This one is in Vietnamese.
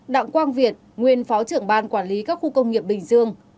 đặng quang việt nguyên phó trưởng ban quản lý các khu công nghiệp bình dương